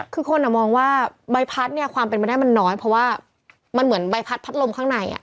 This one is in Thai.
คือคนมองว่าใบพัดเนี่ยความเป็นไปได้มันน้อยเพราะว่ามันเหมือนใบพัดพัดลมข้างใน